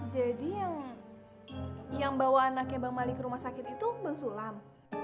jadi yang bawa anaknya bang mali ke rumah sakit itu bang sulam